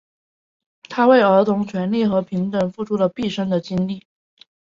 他为儿童权利和平等付出了毕生的精力。